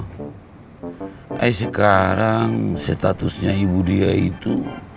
eh sekarang statusnya ibu dia itu